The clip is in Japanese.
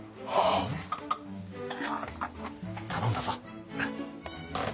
頼んだぞ。